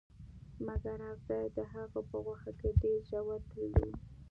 مګر اغزي د هغه په غوښه کې ډیر ژور تللي وو